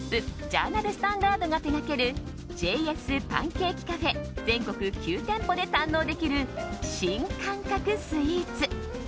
ジャーナルスタンダードが手掛けるＪ．Ｓ．ＰＡＮＣＡＫＥＣＡＦＥ全国９店舗で堪能できる新感覚スイーツ。